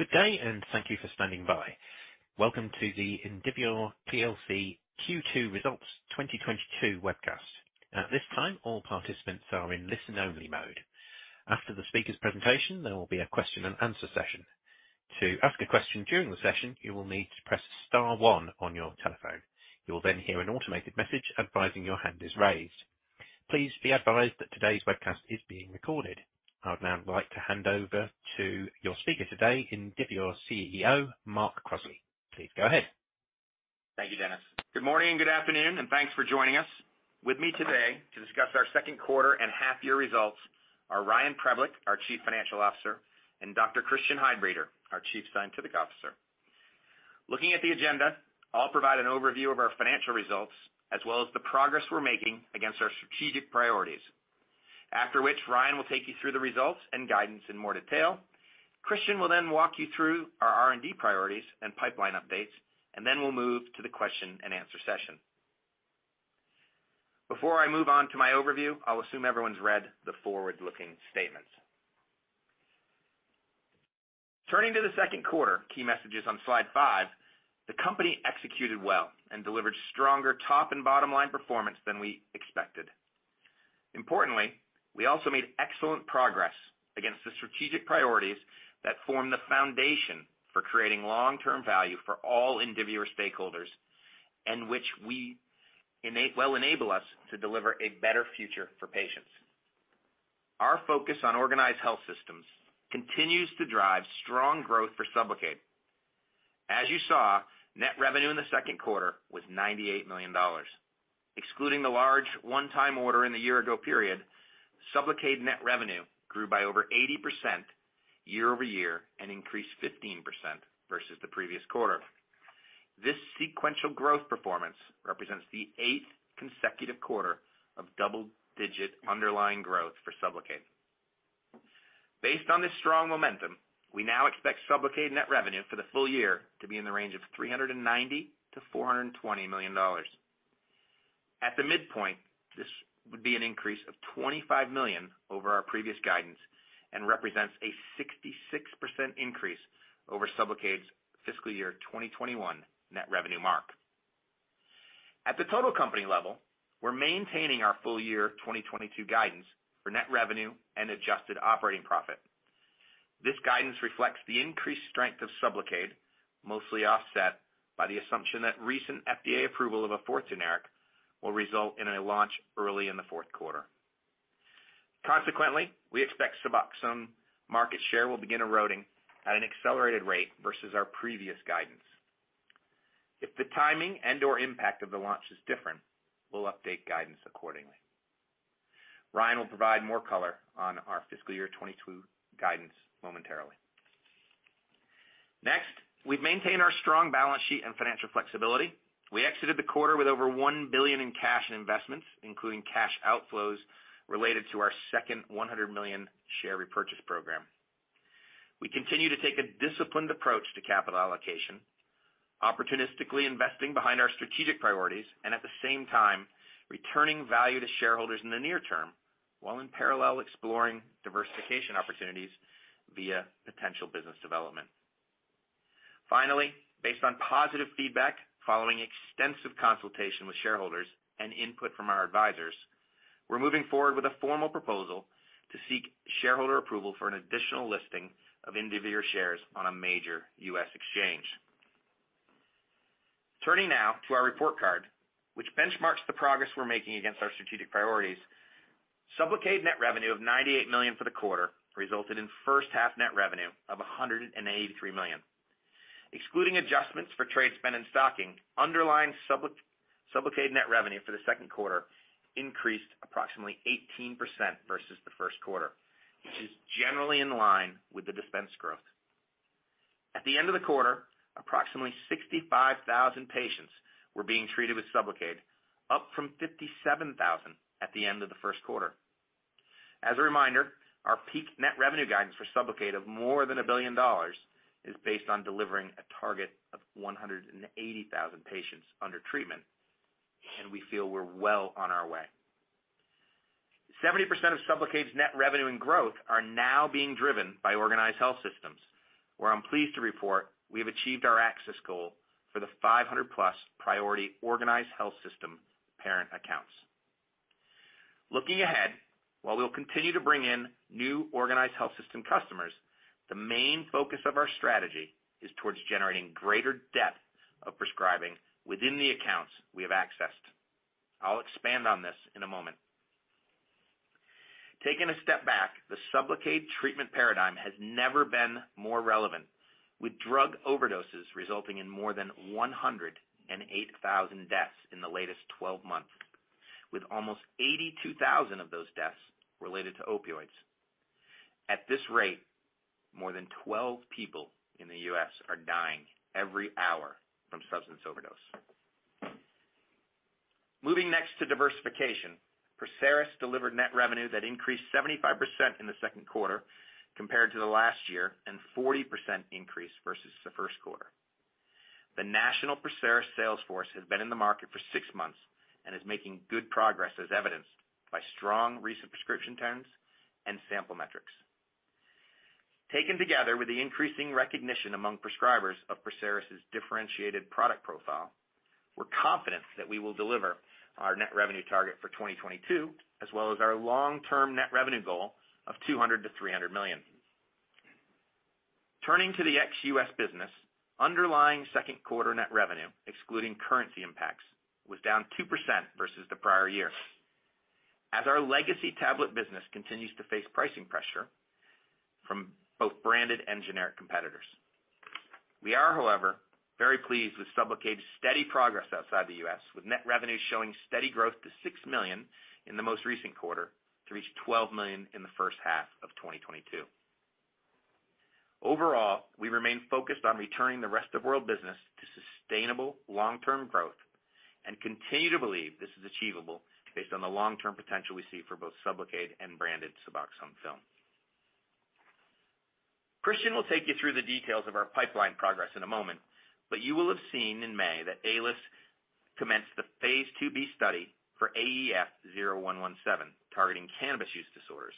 Good day, and thank you for standing by. Welcome to the Indivior PLC Q2 Results 2022 webcast. At this time, all participants are in listen only mode. After the speaker's presentation, there will be a question and answer session. To ask a question during the session, you will need to press star one on your telephone. You will then hear an automated message advising your hand is raised. Please be advised that today's webcast is being recorded. I would now like to hand over to your speaker today, Indivior CEO Mark Crossley. Please go ahead. Thank you, Dennis. Good morning and good afternoon, and thanks for joining us. With me today to discuss our second quarter and half year results are Ryan Preblick, our Chief Financial Officer, and Dr. Christian Heidbreder, our Chief Scientific Officer. Looking at the agenda, I'll provide an overview of our financial results as well as the progress we're making against our strategic priorities. After which, Ryan will take you through the results and guidance in more detail. Christian will then walk you through our R&D priorities and pipeline updates, and then we'll move to the question and answer session. Before I move on to my overview, I'll assume everyone's read the forward-looking statements. Turning to the second quarter, key messages on slide five, the company executed well and delivered stronger top and bottom line performance than we expected. Importantly, we also made excellent progress against the strategic priorities that form the foundation for creating long-term value for all Indivior stakeholders, and which we will enable us to deliver a better future for patients. Our focus on organized health systems continues to drive strong growth for SUBLOCADE. As you saw, net revenue in the second quarter was $98 million. Excluding the large one-time order in the year ago period, SUBLOCADE net revenue grew by over 80% year-over-year and increased 15% versus the previous quarter. This sequential growth performance represents the eighth consecutive quarter of double-digit underlying growth for SUBLOCADE. Based on this strong momentum, we now expect SUBLOCADE net revenue for the full year to be in the range of $390 million-$420 million. At the midpoint, this would be an increase of $25 million over our previous guidance and represents a 66% increase over SUBLOCADE's fiscal year 2021 net revenue mark. At the total company level, we're maintaining our full year 2022 guidance for net revenue and adjusted operating profit. This guidance reflects the increased strength of SUBLOCADE, mostly offset by the assumption that recent FDA approval of a fourth generic will result in a launch early in the fourth quarter. Consequently, we expect SUBOXONE market share will begin eroding at an accelerated rate versus our previous guidance. If the timing and/or impact of the launch is different, we'll update guidance accordingly. Ryan will provide more color on our fiscal year 2022 guidance momentarily. Next, we've maintained our strong balance sheet and financial flexibility. We exited the quarter with over $1 billion in cash and investments, including cash outflows related to our second $100 million share repurchase program. We continue to take a disciplined approach to capital allocation, opportunistically investing behind our strategic priorities and at the same time returning value to shareholders in the near term, while in parallel exploring diversification opportunities via potential business development. Finally, based on positive feedback following extensive consultation with shareholders and input from our advisors, we're moving forward with a formal proposal to seek shareholder approval for an additional listing of Indivior shares on a major U.S. exchange. Turning now to our report card, which benchmarks the progress we're making against our strategic priorities. SUBLOCADE net revenue of $98 million for the quarter resulted in first half net revenue of $183 million. Excluding adjustments for trade spend and stocking, underlying SUBLOCADE net revenue for the second quarter increased approximately 18% versus the first quarter, which is generally in line with the dispense growth. At the end of the quarter, approximately 65,000 patients were being treated with SUBLOCADE, up from 57,000 at the end of the first quarter. As a reminder, our peak net revenue guidance for SUBLOCADE of more than $1 billion is based on delivering a target of 180,000 patients under treatment, and we feel we're well on our way. 70% of SUBLOCADE's net revenue and growth are now being driven by Organized Health Systems, where I'm pleased to report we have achieved our access goal for the 500+ priority Organized Health System parent accounts. Looking ahead, while we'll continue to bring in new Organized Health System customers, the main focus of our strategy is towards generating greater depth of prescribing within the accounts we have accessed. I'll expand on this in a moment. Taking a step back, the SUBLOCADE treatment paradigm has never been more relevant, with drug overdoses resulting in more than 108,000 deaths in the latest twelve months, with almost 82,000 of those deaths related to opioids. At this rate, more than 12 people in the U.S. are dying every hour from substance overdose. Moving next to diversification. PERSERIS delivered net revenue that increased 75% in the second quarter compared to the last year and 40% increase versus the first quarter. The national PERSERIS sales force has been in the market for six months and is making good progress as evidenced by strong recent prescription trends and sample metrics. Taken together with the increasing recognition among prescribers of PERSERIS' differentiated product profile, we're confident that we will deliver our net revenue target for 2022, as well as our long-term net revenue goal of $200 million-$300 million. Turning to the ex-US business, underlying second quarter net revenue, excluding currency impacts, was down 2% versus the prior year as our legacy tablet business continues to face pricing pressure from both branded and generic competitors. We are, however, very pleased with SUBLOCADE's steady progress outside the US, with net revenue showing steady growth to $6 million in the most recent quarter to reach $12 million in the first half of 2022. Overall, we remain focused on returning the rest of world business to sustainable long-term growth and continue to believe this is achievable based on the long-term potential we see for both SUBLOCADE and branded SUBOXONE Film. Christian will take you through the details of our pipeline progress in a moment, but you will have seen in May that Aelis commenced the phase II-B study for AEF0117, targeting cannabis use disorders.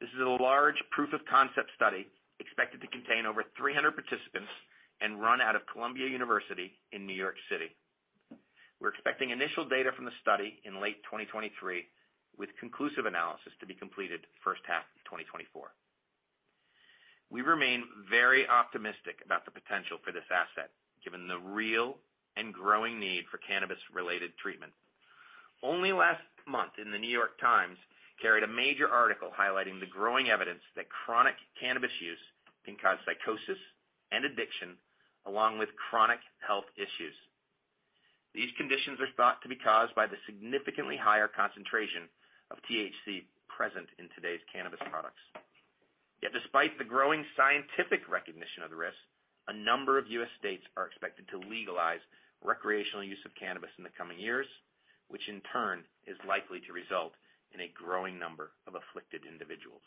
This is a large proof of concept study expected to contain over 300 participants and run out of Columbia University in New York City. We're expecting initial data from the study in late 2023, with conclusive analysis to be completed the first half of 2024. We remain very optimistic about the potential for this asset, given the real and growing need for cannabis-related treatment. Only last month in The New York Times carried a major article highlighting the growing evidence that chronic cannabis use can cause psychosis and addiction, along with chronic health issues. These conditions are thought to be caused by the significantly higher concentration of THC present in today's cannabis products. Yet despite the growing scientific recognition of the risk, a number of U.S. states are expected to legalize recreational use of cannabis in the coming years, which in turn is likely to result in a growing number of afflicted individuals.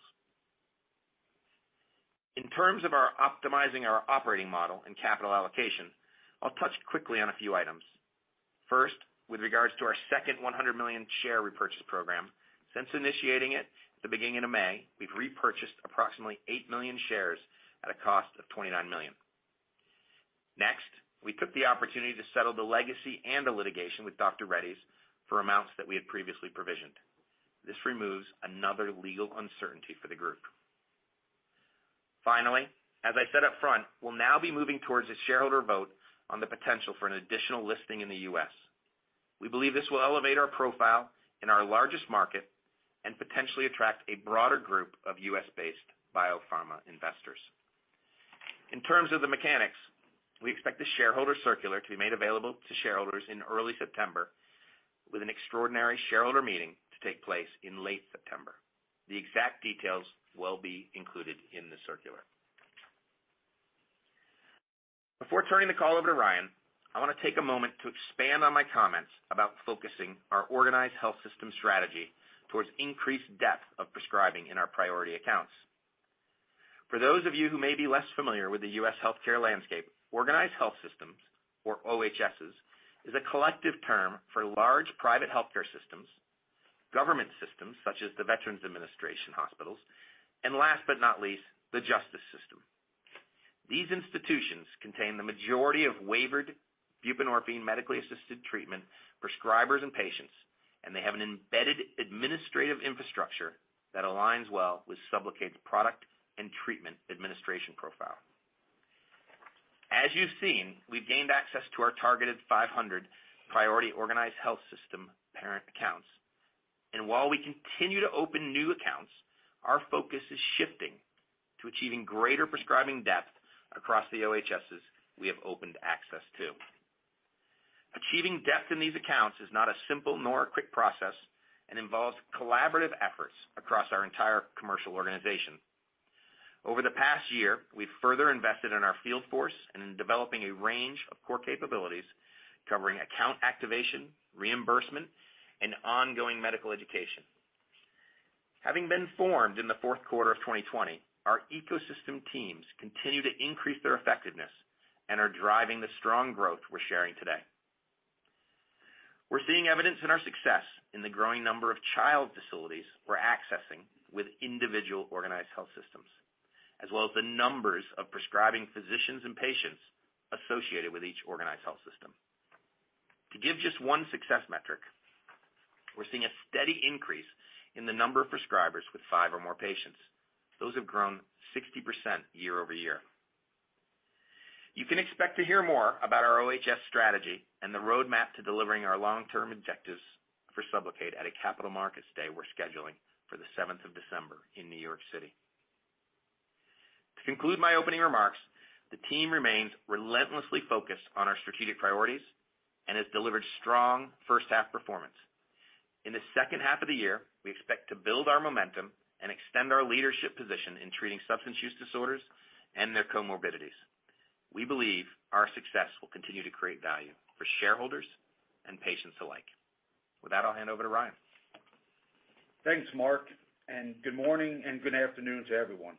In terms of our optimizing our operating model and capital allocation, I'll touch quickly on a few items. First, with regards to our second 100 million share repurchase program, since initiating it at the beginning of May, we've repurchased approximately 8 million shares at a cost of $29 million. Next, we took the opportunity to settle the legacy and the litigation with Dr. Reddy's for amounts that we had previously provisioned. This removes another legal uncertainty for the group. Finally, as I said up front, we'll now be moving towards a shareholder vote on the potential for an additional listing in the U.S. We believe this will elevate our profile in our largest market and potentially attract a broader group of U.S.-based biopharma investors. In terms of the mechanics, we expect the shareholder circular to be made available to shareholders in early September, with an extraordinary shareholder meeting to take place in late September. The exact details will be included in the circular. Before turning the call over to Ryan, I want to take a moment to expand on my comments about focusing our Organized Health Systems strategy towards increased depth of prescribing in our priority accounts. For those of you who may be less familiar with the U.S. healthcare landscape, Organized Health Systems, or OHSs, is a collective term for large private healthcare systems, government systems such as the U.S. Department of Veterans Affairs hospitals, and last but not least, the justice system. These institutions contain the majority of waivered buprenorphine medically assisted treatment prescribers and patients, and they have an embedded administrative infrastructure that aligns well with SUBLOCADE's product and treatment administration profile. As you've seen, we've gained access to our targeted 500 priority Organized Health Systems parent accounts. While we continue to open new accounts, our focus is shifting to achieving greater prescribing depth across the OHSs we have opened access to. Achieving depth in these accounts is not a simple nor a quick process and involves collaborative efforts across our entire commercial organization. Over the past year, we've further invested in our field force and in developing a range of core capabilities covering account activation, reimbursement, and ongoing medical education. Having been formed in the fourth quarter of 2020, our ecosystem teams continue to increase their effectiveness and are driving the strong growth we're sharing today. We're seeing evidence in our success in the growing number of jail facilities we're accessing with individual organized health systems, as well as the numbers of prescribing physicians and patients associated with each organized health system. To give just one success metric, we're seeing a steady increase in the number of prescribers with five or more patients. Those have grown 60% year-over-year. You can expect to hear more about our OHS strategy and the roadmap to delivering our long-term objectives for SUBLOCADE at a Capital Markets Day we're scheduling for the seventh of December in New York City. To conclude my opening remarks, the team remains relentlessly focused on our strategic priorities and has delivered strong first half performance. In the second half of the year, we expect to build our momentum and extend our leadership position in treating substance use disorders and their comorbidities. We believe our success will continue to create value for shareholders and patients alike. With that, I'll hand over to Ryan. Thanks, Mark, and good morning and good afternoon to everyone.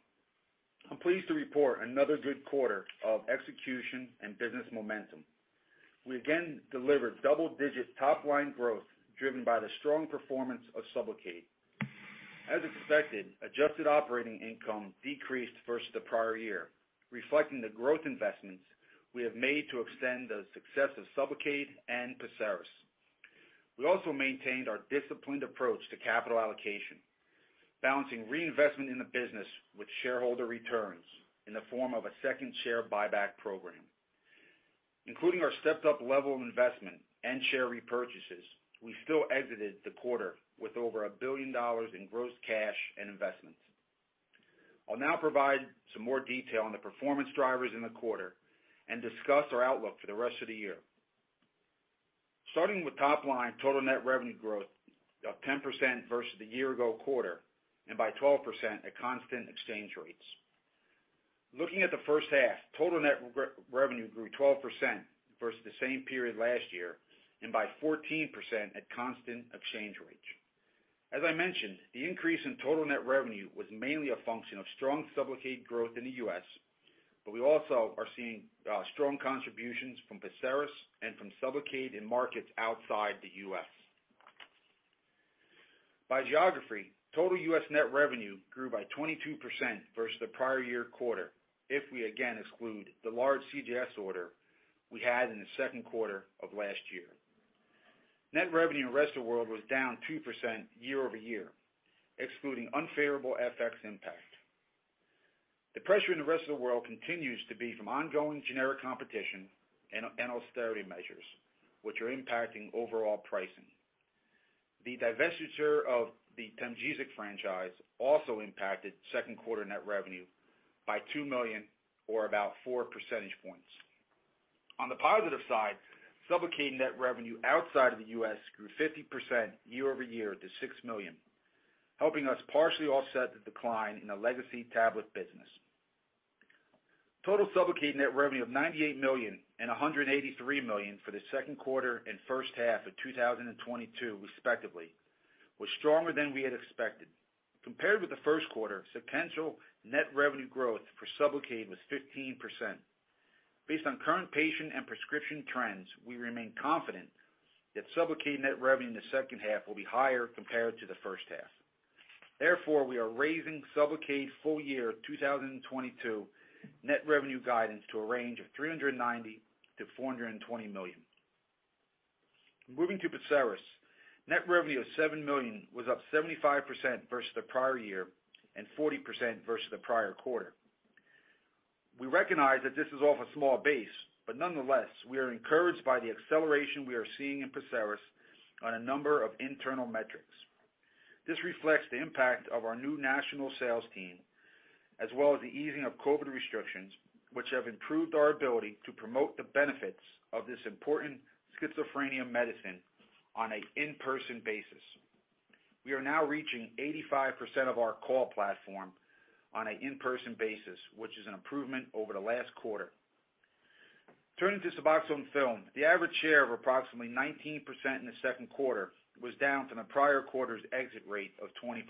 I'm pleased to report another good quarter of execution and business momentum. We again delivered double-digit top-line growth driven by the strong performance of SUBLOCADE. As expected, adjusted operating income decreased versus the prior year, reflecting the growth investments we have made to extend the success of SUBLOCADE and PERSERIS. We also maintained our disciplined approach to capital allocation, balancing reinvestment in the business with shareholder returns in the form of a second share buyback program. Including our stepped-up level of investment and share repurchases, we still exited the quarter with over $1 billion in gross cash and investments. I'll now provide some more detail on the performance drivers in the quarter and discuss our outlook for the rest of the year. Starting with top line, total net revenue growth of 10% versus the year-ago quarter and by 12% at constant exchange rates. Looking at the first half, total net revenue grew 12% versus the same period last year and by 14% at constant exchange rates. As I mentioned, the increase in total net revenue was mainly a function of strong SUBLOCADE growth in the U.S., but we also are seeing strong contributions from PERSERIS and from SUBLOCADE in markets outside the U.S. By geography, total U.S. net revenue grew by 22% versus the prior year quarter if we again exclude the large CJS order we had in the second quarter of last year. Net revenue in the rest of the world was down 2% year-over-year, excluding unfavorable FX impact. The pressure in the rest of the world continues to be from ongoing generic competition and austerity measures, which are impacting overall pricing. The divestiture of the TEMGESIC franchise also impacted second quarter net revenue by $2 million or about 4 percentage points. On the positive side, SUBLOCADE net revenue outside of the U.S. grew 50% year-over-year to $6 million, helping us partially offset the decline in the legacy tablet business. Total SUBLOCADE net revenue of $98 million and $183 million for the second quarter and first half of 2022 respectively was stronger than we had expected. Compared with the first quarter, sequential net revenue growth for SUBLOCADE was 15%. Based on current patient and prescription trends, we remain confident that SUBLOCADE net revenue in the second half will be higher compared to the first half. Therefore, we are raising SUBLOCADE full year 2022 net revenue guidance to a range of $390 million-$420 million. Moving to PERSERIS, net revenue of $7 million was up 75% versus the prior year and 40% versus the prior quarter. We recognize that this is off a small base, but nonetheless, we are encouraged by the acceleration we are seeing in PERSERIS on a number of internal metrics. This reflects the impact of our new national sales team, as well as the easing of COVID restrictions, which have improved our ability to promote the benefits of this important schizophrenia medicine on an in-person basis. We are now reaching 85% of our call platform on an in-person basis, which is an improvement over the last quarter. Turning to SUBOXONE Film, the average share of approximately 19% in the second quarter was down from the prior quarter's exit rate of 20%.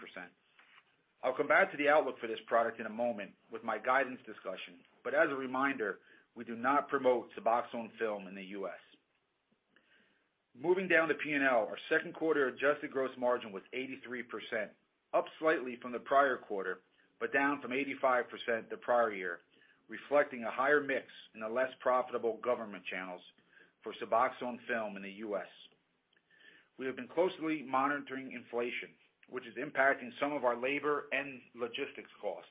I'll come back to the outlook for this product in a moment with my guidance discussion. As a reminder, we do not promote SUBOXONE Film in the U.S. Moving down to P&L, our second quarter adjusted gross margin was 83%, up slightly from the prior quarter, but down from 85% the prior year, reflecting a higher mix in the less profitable government channels for SUBOXONE Film in the U.S. We have been closely monitoring inflation, which is impacting some of our labor and logistics costs.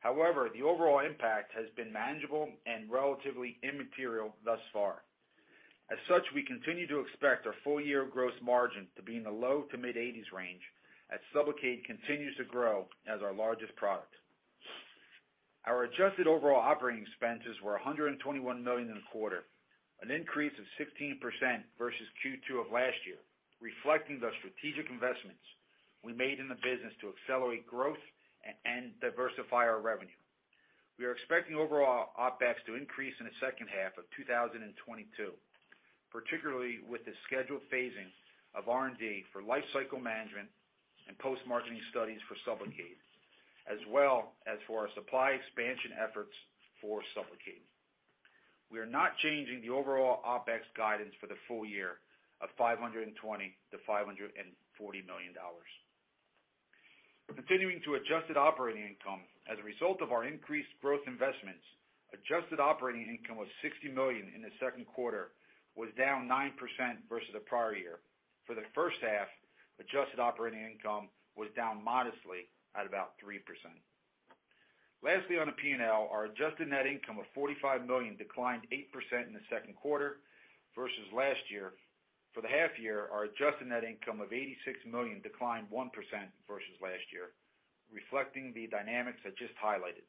However, the overall impact has been manageable and relatively immaterial thus far. As such, we continue to expect our full-year gross margin to be in the low- to mid-80s% range as SUBLOCADE continues to grow as our largest product. Our adjusted overall operating expenses were $121 million in the quarter, an increase of 16% versus Q2 of last year, reflecting the strategic investments we made in the business to accelerate growth and diversify our revenue. We are expecting overall OpEx to increase in the second half of 2022, particularly with the scheduled phasing of R&D for lifecycle management and post-marketing studies for SUBLOCADE, as well as for our supply expansion efforts for SUBLOCADE. We are not changing the overall OpEx guidance for the full year of $520-$540 million. Continuing to adjusted operating income as a result of our increased growth investments, adjusted operating income was $60 million in the second quarter, was down 9% versus the prior year. For the first half, adjusted operating income was down modestly at about 3%. Lastly, on the P&L, our adjusted net income of $45 million declined 8% in the second quarter versus last year. For the half year, our adjusted net income of $86 million declined 1% versus last year, reflecting the dynamics I just highlighted.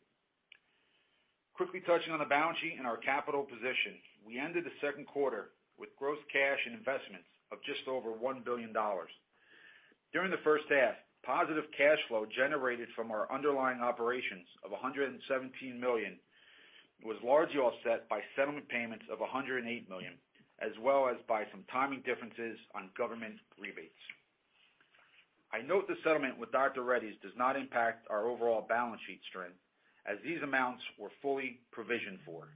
Quickly touching on the balance sheet and our capital position. We ended the second quarter with gross cash and investments of just over $1 billion. During the first half, positive cash flow generated from our underlying operations of $117 million was largely offset by settlement payments of $108 million, as well as by some timing differences on government rebates. I note the settlement with Dr. Reddy's does not impact our overall balance sheet strength, as these amounts were fully provisioned for.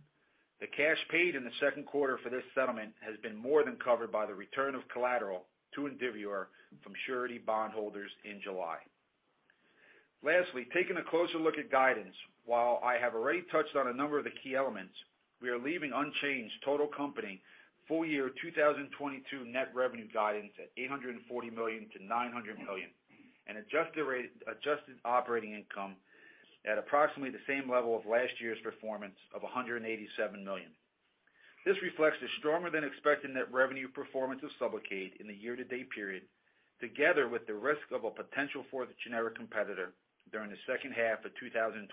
The cash paid in the second quarter for this settlement has been more than covered by the return of collateral to Indivior from surety bondholders in July. Lastly, taking a closer look at guidance. While I have already touched on a number of the key elements, we are leaving unchanged total company full year 2022 net revenue guidance at $840 million-$900 million, and adjusted operating income at approximately the same level of last year's performance of $187 million. This reflects the stronger than expected net revenue performance of SUBLOCADE in the year-to-date period, together with the risk of a potential for the generic competitor during the second half of 2022,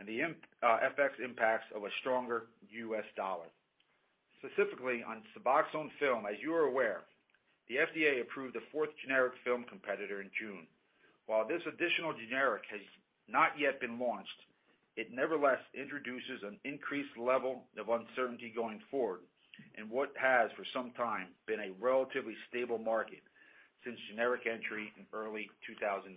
and the FX impacts of a stronger U.S. dollar. Specifically on SUBOXONE Film, as you are aware, the FDA approved a fourth generic film competitor in June. While this additional generic has not yet been launched, it nevertheless introduces an increased level of uncertainty going forward in what has for some time been a relatively stable market since generic entry in early 2019.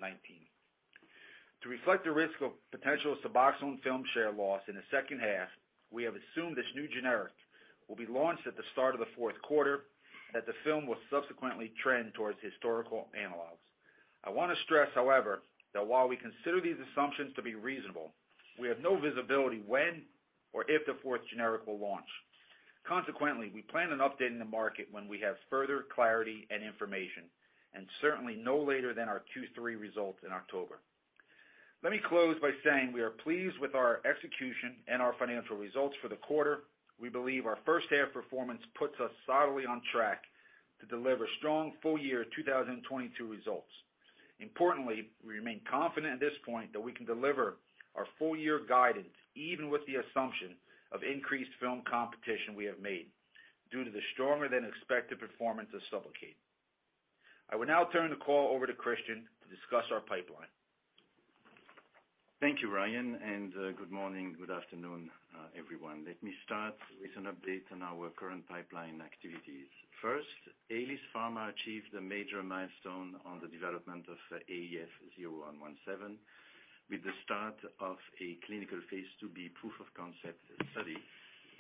To reflect the risk of potential SUBOXONE Film share loss in the second half, we have assumed this new generic will be launched at the start of the fourth quarter, that the film will subsequently trend towards historical analogs. I wanna stress, however, that while we consider these assumptions to be reasonable, we have no visibility when or if the fourth generic will launch. Consequently, we plan on updating the market when we have further clarity and information, and certainly no later than our Q3 results in October. Let me close by saying we are pleased with our execution and our financial results for the quarter. We believe our first half performance puts us solidly on track to deliver strong full year 2022 results. Importantly, we remain confident at this point that we can deliver our full year guidance, even with the assumption of increased film competition we have made due to the stronger than expected performance of SUBLOCADE. I will now turn the call over to Christian to discuss our pipeline. Thank you, Ryan, and good morning, good afternoon, everyone. Let me start with an update on our current pipeline activities. First, Aelis Farma achieved a major milestone on the development of AEF0117 with the start of a clinical phase II-B proof of concept study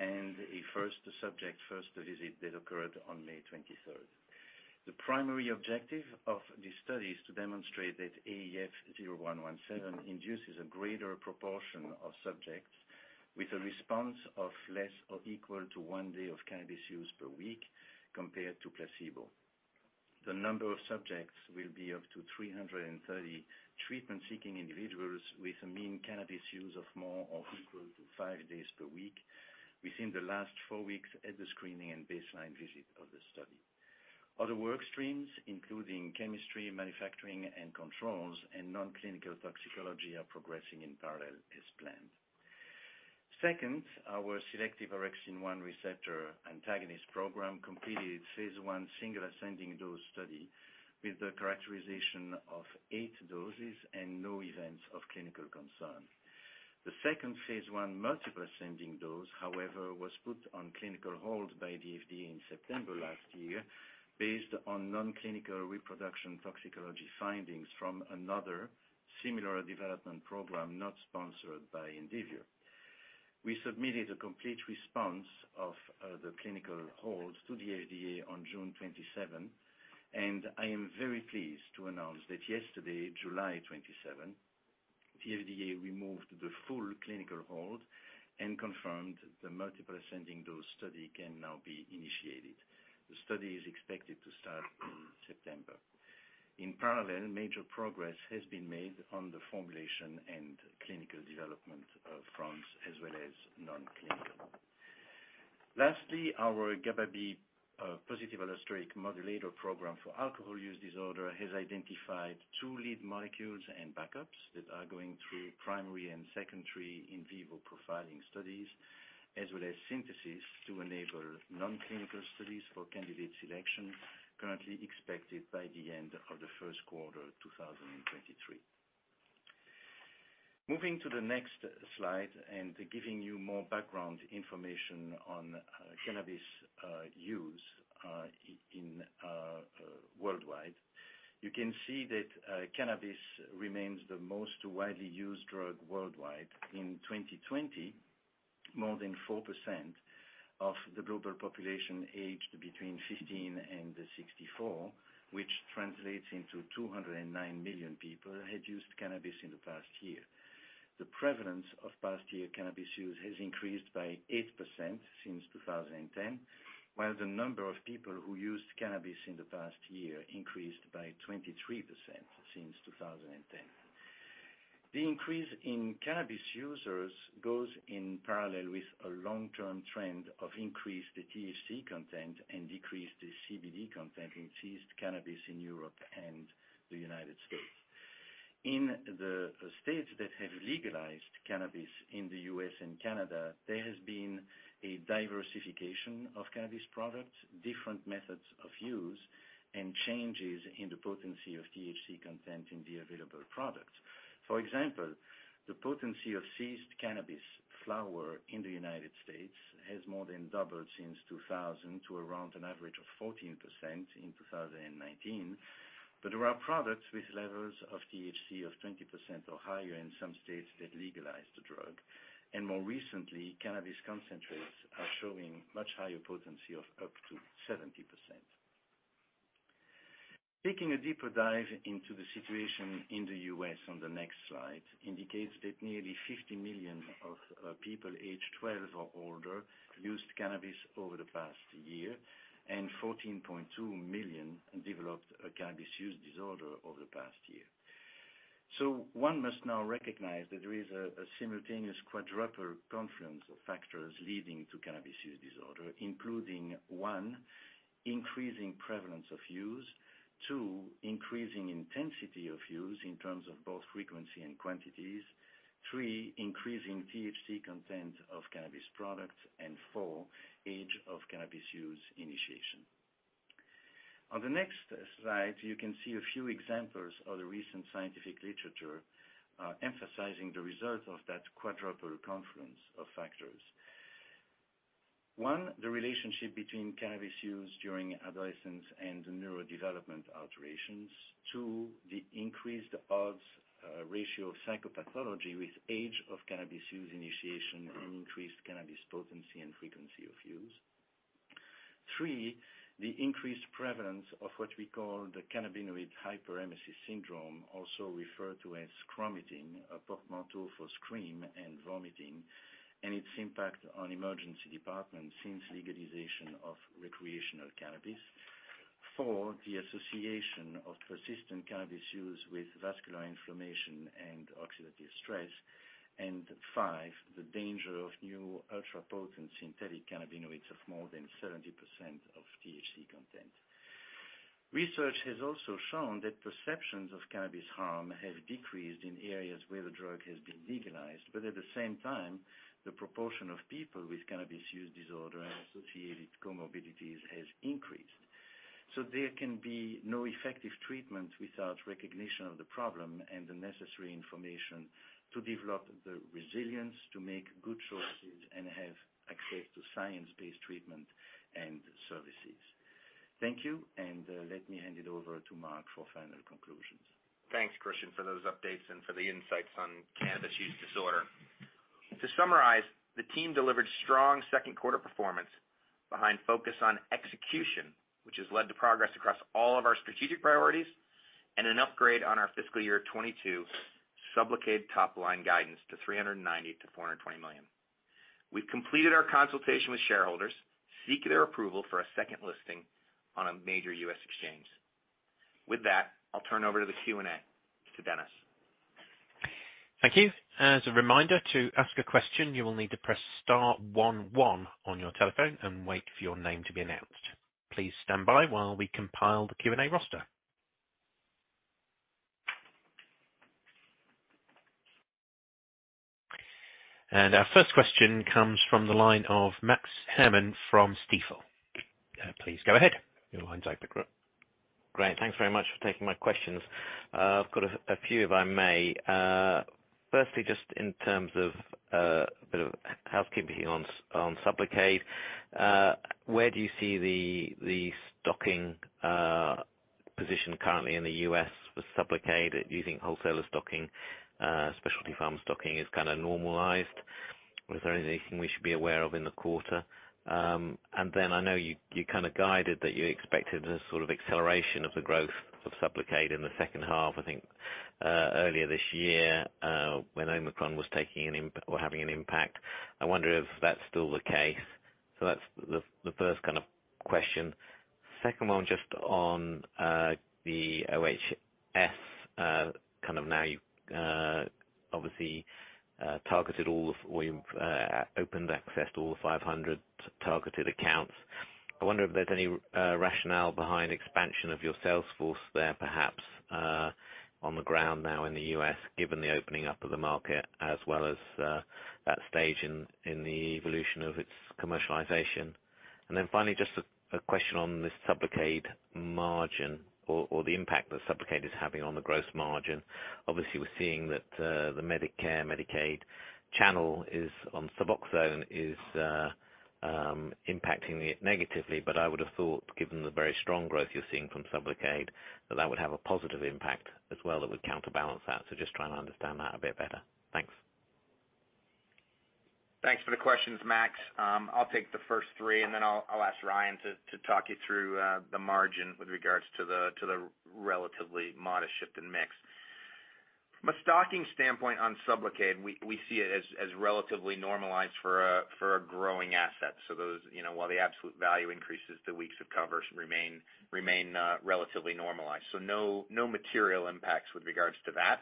and a first subject, first visit that occurred on May 23rd. The primary objective of this study is to demonstrate that AEF0117 induces a greater proportion of subjects with a response of less or equal to one day of cannabis use per week compared to placebo. The number of subjects will be up to 330 treatment-seeking individuals with a mean cannabis use of more or equal to five days per week within the last four weeks at the screening and baseline visit of the study. Other work streams, including chemistry, manufacturing, and controls and non-clinical toxicology are progressing in parallel as planned. Second, our selective orexin-1 receptor antagonist program completed phase I single ascending dose study with the characterization of eight doses and no events of clinical concern. The second phase I multiple ascending dose, however, was put on clinical hold by the FDA in September last year based on non-clinical reproduction toxicology findings from another similar development program not sponsored by Indivior. We submitted a complete response to the clinical hold to the FDA on June 27, and I am very pleased to announce that yesterday, July 27, the FDA removed the full clinical hold and confirmed the multiple ascending dose study can now be initiated. The study is expected to start in September. In parallel, major progress has been made on the formulation and clinical development of INDV-2000 as well as non-clinical. Lastly, our GABAB positive allosteric modulator program for alcohol use disorder has identified two lead molecules and backups that are going through primary and secondary in vivo profiling studies, as well as synthesis to enable non-clinical studies for candidate selection currently expected by the end of the first quarter 2023. Moving to the next slide and giving you more background information on cannabis use in worldwide. You can see that cannabis remains the most widely used drug worldwide. In 2020, more than 4% of the global population aged between 15 and 64, which translates into 209 million people, had used cannabis in the past year. The prevalence of past year cannabis use has increased by 8% since 2010, while the number of people who used cannabis in the past year increased by 23% since 2010. The increase in cannabis users goes in parallel with a long-term trend of increased THC content and decreased CBD content in seized cannabis in Europe and the United States. In the states that have legalized cannabis in the U.S. and Canada, there has been a diversification of cannabis products, different methods of use, and changes in the potency of THC content in the available products. For example, the potency of seized cannabis flower in the United States has more than doubled since 2000 to around an average of 14% in 2019. There are products with levels of THC of 20% or higher in some states that legalized the drug, and more recently, cannabis concentrates are showing much higher potency of up to 70%. Taking a deeper dive into the situation in the U.S. on the next slide indicates that nearly 50 million of people aged 12 or older used cannabis over the past year, and 14.2 million developed a cannabis use disorder over the past year. One must now recognize that there is a simultaneous quadruple confluence of factors leading to cannabis use disorder, including one, increasing prevalence of use. two, increasing intensity of use in terms of both frequency and quantities. three, increasing THC content of cannabis products. And four, age of cannabis use initiation. On the next slide, you can see a few examples of the recent scientific literature, emphasizing the results of that quadruple confluence of factors. One, the relationship between cannabis use during adolescence and neurodevelopment alterations. Two, the increased odds ratio of psychopathology with age of cannabis use initiation and increased cannabis potency and frequency of use. Three, the increased prevalence of what we call the cannabinoid hyperemesis syndrome, also referred to as scromiting, a portmanteau for scream and vomiting, and its impact on emergency departments since legalization of recreational cannabis. Four, the association of persistent cannabis use with vascular inflammation and oxidative stress. Five, the danger of new ultra-potent synthetic cannabinoids of more than 70% THC content. Research has also shown that perceptions of cannabis harm have decreased in areas where the drug has been legalized, but at the same time, the proportion of people with cannabis use disorder and associated comorbidities has increased. There can be no effective treatment without recognition of the problem and the necessary information to develop the resilience, to make good choices, and have access to science-based treatment and services. Thank you, and let me hand it over to Mark for final conclusions. Thanks, Christian, for those updates and for the insights on cannabis use disorder. To summarize, the team delivered strong second quarter performance behind focus on execution, which has led to progress across all of our strategic priorities and an upgrade on our fiscal year 2022 SUBLOCADE top-line guidance to $390 million-$420 million. We've completed our consultation with shareholders to seek their approval for a second listing on a major U.S. exchange. With that, I'll turn over to the Q&A to Dennis. Thank you. As a reminder, to ask a question, you will need to press star one one on your telephone and wait for your name to be announced. Please stand by while we compile the Q&A roster. Our first question comes from the line of Max Herrmann from Stifel. Please go ahead. Your line's open. Great. Thanks very much for taking my questions. I've got a few, if I may. Firstly, just in terms of a bit of housekeeping on SUBLOCADE. Where do you see the stocking position currently in the U.S. with SUBLOCADE? Do you think wholesaler stocking, specialty pharma stocking is kind of normalized? Was there anything we should be aware of in the quarter? I know you kind of guided that you expected a sort of acceleration of the growth of SUBLOCADE in the second half, I think, earlier this year, when Omicron was having an impact. I wonder if that's still the case. That's the first kind of question. Second one, just on the OHS, kind of now you've obviously targeted all the... You've opened access to all the 500 targeted accounts. I wonder if there's any rationale behind expansion of your sales force there, perhaps on the ground now in the US, given the opening up of the market as well as that stage in the evolution of its commercialization. Finally, just a question on the SUBLOCADE margin or the impact that SUBLOCADE is having on the gross margin. Obviously, we're seeing that the Medicare/Medicaid channel on SUBOXONE is impacting it negatively. I would've thought, given the very strong growth you're seeing from SUBLOCADE, that that would have a positive impact as well, that would counterbalance that. Just trying to understand that a bit better. Thanks. Thanks for the questions, Max. I'll take the first three, and then I'll ask Ryan to talk you through the margin with regards to the relatively modest shift in mix. From a stocking standpoint on SUBLOCADE, we see it as relatively normalized for a growing asset. So those, you know, while the absolute value increases, the weeks of coverage remain relatively normalized, so no material impacts with regards to that.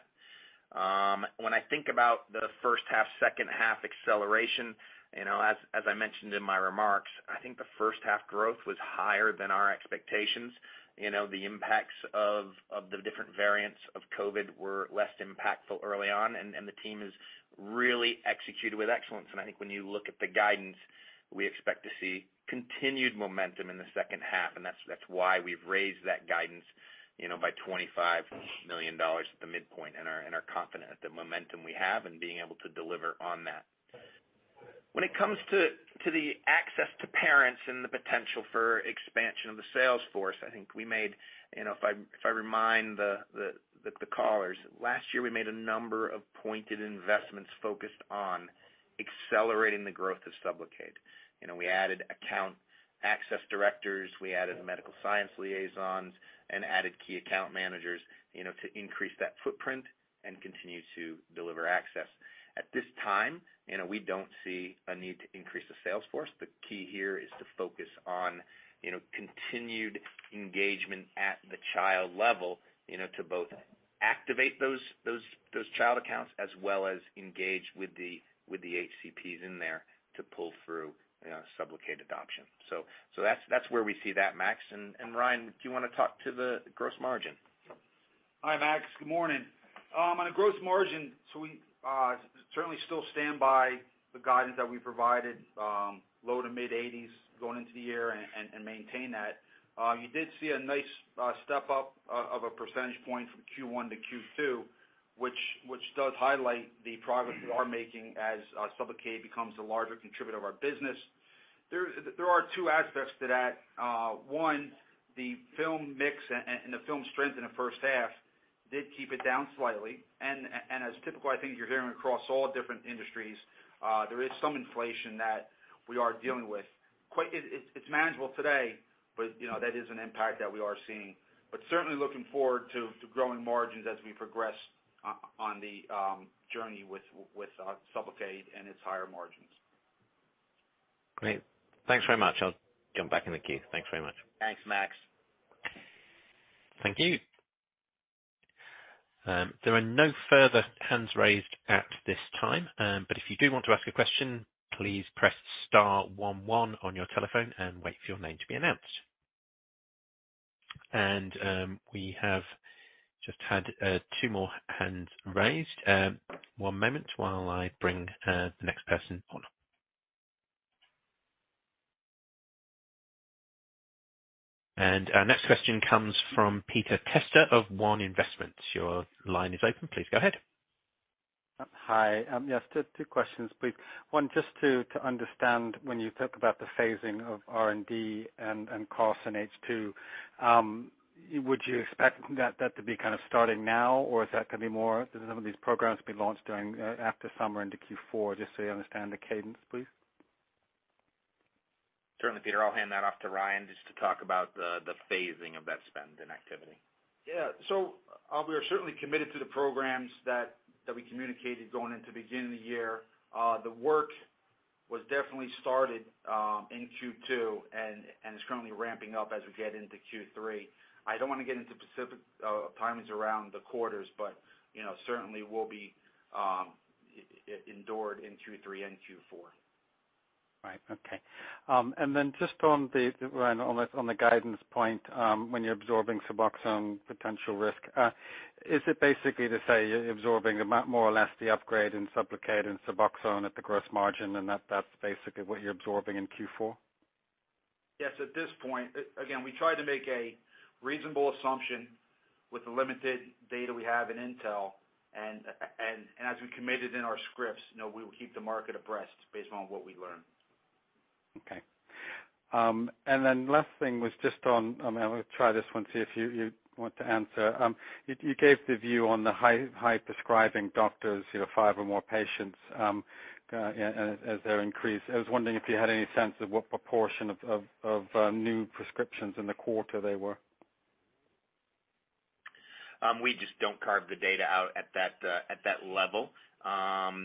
When I think about the first half, second half acceleration, you know, as I mentioned in my remarks, I think the first half growth was higher than our expectations. You know, the impacts of the different variants of COVID were less impactful early on. The team has really executed with excellence. I think when you look at the guidance, we expect to see continued momentum in the second half, and that's why we've raised that guidance, you know, by $25 million at the midpoint and are confident in the momentum we have in being able to deliver on that. When it comes to the access to payers and the potential for expansion of the sales force, I think, you know, if I remind the callers, last year, we made a number of pointed investments focused on accelerating the growth of SUBLOCADE. You know, we added account access directors, we added medical science liaisons, and added key account managers, you know, to increase that footprint and continue to deliver access. At this time, you know, we don't see a need to increase the sales force. The key here is to focus on, you know, continued engagement at the child level, you know, to both activate those child accounts as well as engage with the HCPs in there to pull through, you know, SUBLOCADE adoption. That's where we see that, Max. Ryan, do you wanna talk to the gross margin? Hi, Max. Good morning. On a gross margin, we certainly still stand by the guidance that we provided, low to mid-80s going into the year and maintain that. You did see a nice step up of a percentage point from Q1 to Q2, which does highlight the progress we are making as SUBLOCADE becomes a larger contributor of our business. There are two aspects to that. One, the film mix and the film strength in the first half did keep it down slightly. As typical, I think you're hearing across all different industries, there is some inflation that we are dealing with. Quite. It's manageable today, but you know, that is an impact that we are seeing. Certainly looking forward to growing margins as we progress on the journey with SUBLOCADE and its higher margins. Great. Thanks very much. I'll jump back in the queue. Thanks very much. Thanks, Max. Thank you. There are no further hands raised at this time. If you do want to ask a question, please press star one one on your telephone and wait for your name to be announced. We have just had two more hands raised. One moment while I bring the next person on. Our next question comes from Peter Testa of One Investments. Your line is open. Please go ahead. Hi. Yes, just two questions, please. One, just to understand when you talk about the phasing of R&D and costs in H2, would you expect that to be kind of starting now, or is that gonna be more some of these programs be launched during after summer into Q4, just so I understand the cadence, please? Certainly, Peter. I'll hand that off to Ryan just to talk about the phasing of that spend and activity. Yeah. We are certainly committed to the programs that we communicated going into beginning of the year. The work was definitely started in Q2 and is currently ramping up as we get into Q3. I don't wanna get into specific timings around the quarters, but you know, certainly will be incurred in Q3 and Q4. Right. Okay. Just on the guidance point, Ryan, when you're absorbing SUBOXONE potential risk, is it basically to say you're absorbing about more or less the upgrade in SUBLOCADE and SUBOXONE at the gross margin, and that's basically what you're absorbing in Q4? Yes. At this point, again, we try to make a reasonable assumption with the limited data we have in intel. As we committed in our scripts, you know, we will keep the market abreast based on what we learn. Okay. Last thing was just on, I'm gonna try this one, see if you want to answer. You gave the view on the high prescribing doctors, you know, 5 or more patients, as they're increased. I was wondering if you had any sense of what proportion of new prescriptions in the quarter they were. We just don't carve the data out at that level.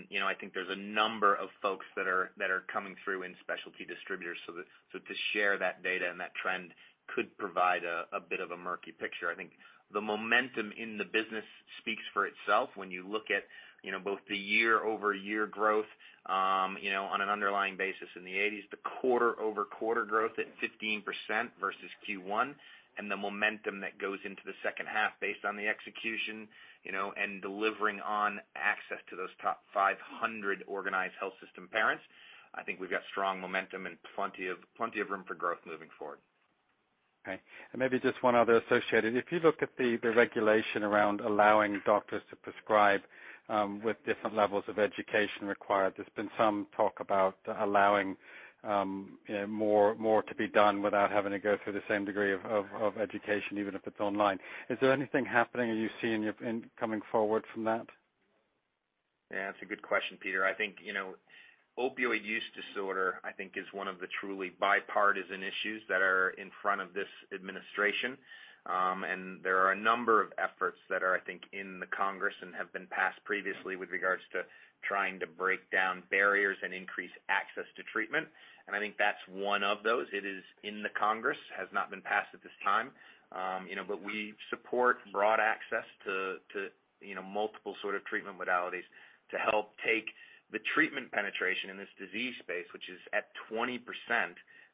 You know, I think there's a number of folks that are coming through in specialty distributors. So to share that data and that trend could provide a bit of a murky picture. I think the momentum in the business speaks for itself when you look at, you know, both the year-over-year growth, you know, on an underlying basis in the 80s, the quarter-over-quarter growth at 15% versus Q1, and the momentum that goes into the second half based on the execution, you know, and delivering on access to those top 500 organized health system accounts. I think we've got strong momentum and plenty of room for growth moving forward. Okay. Maybe just one other associated. If you look at the regulation around allowing doctors to prescribe with different levels of education required, there's been some talk about allowing more to be done without having to go through the same degree of education, even if it's online. Is there anything happening that you see on your end coming forward from that? Yeah, that's a good question, Peter. I think, you know, opioid use disorder is one of the truly bipartisan issues that are in front of this administration. There are a number of efforts that are, I think, in the Congress and have been passed previously with regards to trying to break down barriers and increase access to treatment. I think that's one of those. It is in the Congress, has not been passed at this time. You know, we support broad access to, you know, multiple sort of treatment modalities to help take the treatment penetration in this disease space, which is at 20%,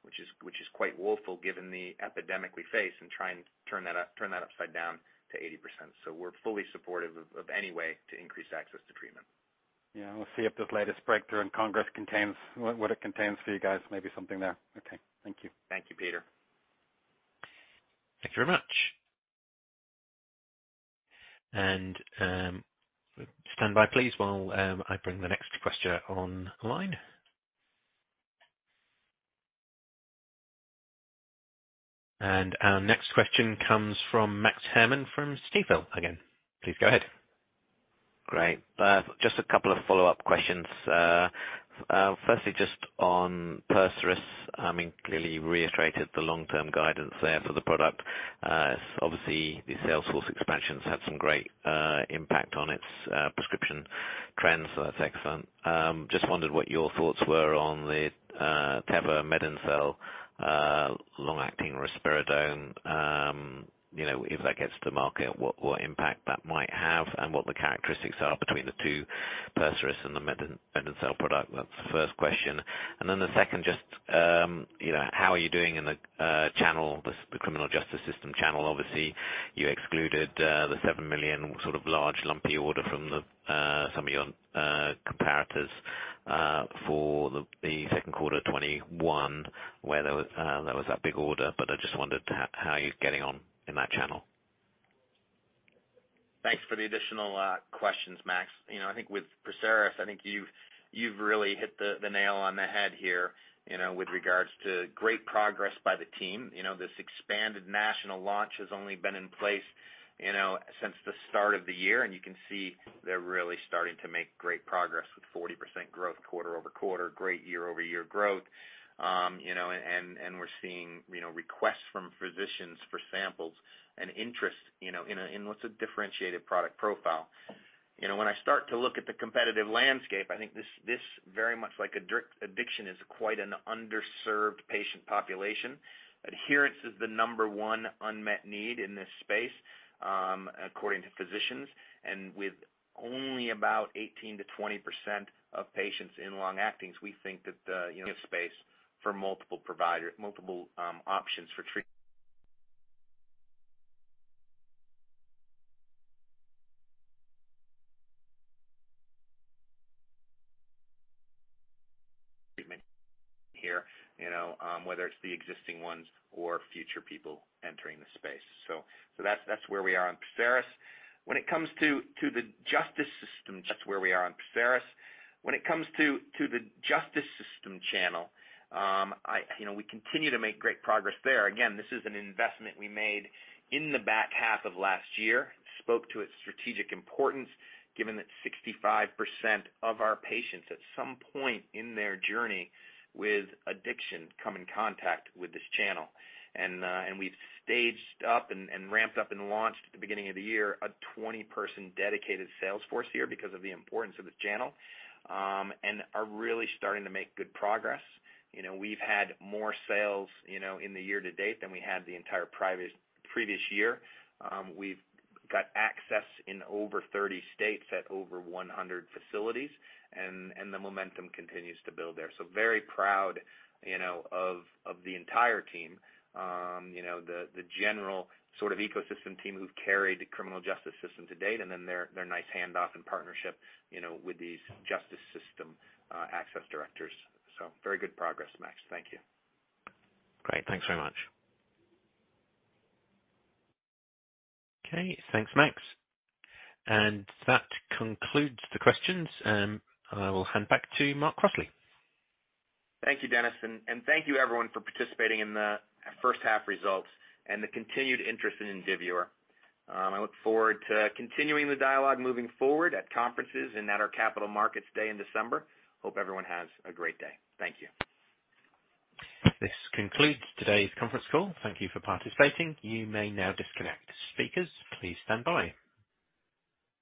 which is quite woeful given the epidemic we face, and try and turn that upside down to 80%. We're fully supportive of any way to increase access to treatment. Yeah, we'll see if this latest breakthrough in Congress contains what it contains for you guys. Maybe something there. Okay. Thank you. Thank you, Peter. Thank you very much. Stand by please while I bring the next question on the line. Our next question comes from Max Herrmann from Stifel again. Please go ahead. Just a couple of follow-up questions. Firstly, just on PERSERIS. I mean, clearly you reiterated the long-term guidance there for the product. Obviously, the sales force expansions had some great impact on its prescription trends, so that's excellent. Just wondered what your thoughts were on the Teva MedinCell long-acting risperidone, you know, if that gets to the market, what impact that might have, and what the characteristics are between the two, PERSERIS and the MedinCell product. That's the first question. Then the second, just, you know, how are you doing in the channel, the criminal justice system channel? Obviously, you excluded the $7 million sort of large lumpy order from some of your comparators for the second quarter 2021, where there was that big order, but I just wondered how you're getting on in that channel. Thanks for the additional questions, Max. You know, I think with PERSERIS, I think you've really hit the nail on the head here, you know, with regards to great progress by the team. You know, this expanded national launch has only been in place, you know, since the start of the year, and you can see they're really starting to make great progress with 40% growth quarter-over-quarter, great year-over-year growth. You know, and we're seeing, you know, requests from physicians for samples and interest, you know, in what's a differentiated product profile. You know, when I start to look at the competitive landscape, I think this very much like addiction is quite an underserved patient population. Adherence is the number one unmet need in this space, according to physicians. With only about 18%-20% of patients in long-actings, we think that, you know, space for multiple provider, multiple options, whether it's the existing ones or future people entering the space. That's where we are on PERSERIS. When it comes to the justice system channel, you know, we continue to make great progress there. Again, this is an investment we made in the back half of last year, spoke to its strategic importance, given that 65% of our patients, at some point in their journey with addiction, come in contact with this channel. We've staged up and ramped up and launched at the beginning of the year a 20 person dedicated sales force here because of the importance of the channel, and are really starting to make good progress. You know, we've had more sales, you know, in the year to date than we had the entire previous year. We've got access in over 30 states at over 100 facilities, and the momentum continues to build there. Very proud, you know, of the entire team. You know, the general sort of ecosystem team who've carried the criminal justice system to date, and then their nice handoff and partnership, you know, with these justice system access directors. Very good progress, Max. Thank you. Great. Thanks very much. Okay. Thanks, Max. That concludes the questions, and I will hand back to Mark Crossley. Thank you, Dennis. Thank you everyone for participating in the first half results and the continued interest in Indivior. I look forward to continuing the dialogue moving forward at conferences and at our Capital Markets Day in December. Hope everyone has a great day. Thank you. This concludes today's conference call. Thank you for participating. You may now disconnect. Speakers, please stand by.